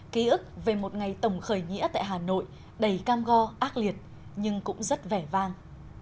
ký ức về một ngày tổng khởi nghĩa tại hà nội đầy cam go ác liệt nhưng cũng rất vẻ vang